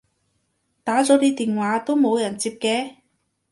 打咗你電話都冇人接嘅